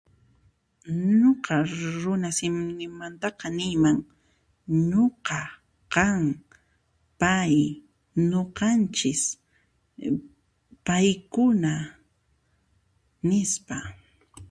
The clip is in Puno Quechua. Nuqa runa simimantaqa niyman: nuqa, qam, pay, nuqanchis, paykuna nispa.